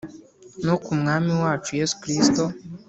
no ku Mwami wacu Yesu Kristo